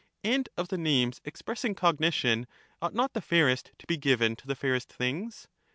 And of the names expressing^cggnition, ctlght not the The fairest fairest to be given to the fairest things